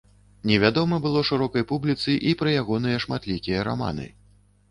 Невядома было шырокай публіцы і пра ягоныя шматлікія раманы.